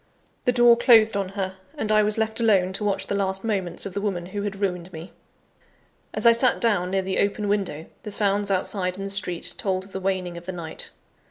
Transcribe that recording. The door closed on her; and I was left alone to watch the last moments of the woman who had ruined me! As I sat down near the open window, the sounds outside in the street told of the waning of the night.